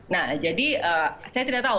nah jadi saya tidak tahu